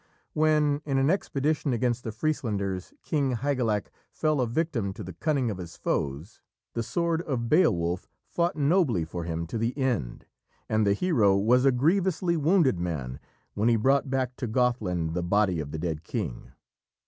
When, in an expedition against the Frieslanders, King Hygelac fell a victim to the cunning of his foes, the sword of Beowulf fought nobly for him to the end, and the hero was a grievously wounded man when he brought back to Gothland the body of the dead King.